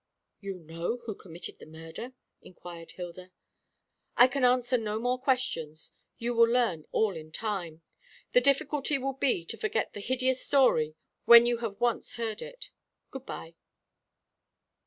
"You know who committed the murder?" inquired Hilda. "I can answer no more questions. You will learn all in time. The difficulty will be to forget the hideous story when you have once heard it. Good bye."